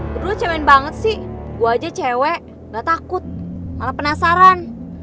beruah cewek banget sih gua aja cewek gak takut malah penasaran